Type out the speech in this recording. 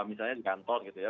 misalnya di kantor gitu ya